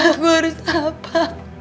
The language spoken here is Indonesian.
aku harus apa